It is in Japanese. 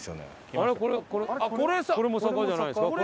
これこれも坂じゃないですか？